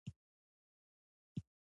شېرګل د خور په وهلو پښېمانه شو.